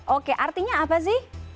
oke artinya apa sih